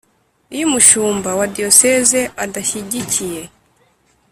Iyo umushumba wa diyoseze adashyigikiye